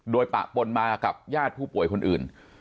โดยปะปนมากับญาติผู้ป่วยคนอื่น